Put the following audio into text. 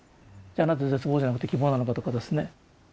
じゃあなぜ絶望じゃなくて希望なのかとかですね。